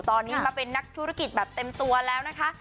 ตอนนี้มาเป็นนักธุรกิจแบบเต็มตัวแล้วนะคะ